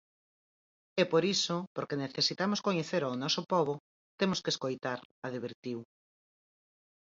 "E por iso, porque necesitamos coñecer ao noso pobo, temos que escoitar", advertiu.